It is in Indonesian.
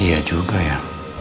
iya juga ya